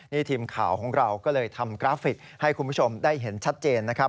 นี่ทีมข่าวของเราก็เลยทำกราฟิกให้คุณผู้ชมได้เห็นชัดเจนนะครับ